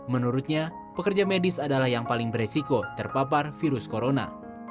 menurutnya pekerja medis adalah yang paling beresiko terpapar virus corona